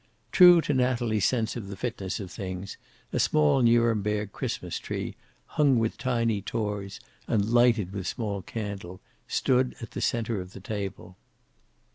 True to Natalie's sense of the fitness of things, a small Nuremberg Christmas tree, hung with tiny toys and lighted with small candles, stood in the center of the table.